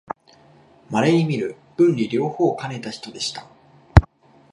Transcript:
まれにみる文理両方をかねた人でした